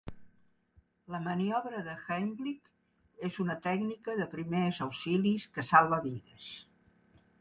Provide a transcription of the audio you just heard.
La maniobra d'Heimlich és una tècnica de primers auxilis que salva vides.